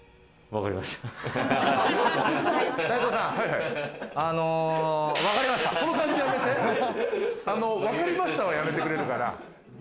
分かりましたはやめてくれるかな。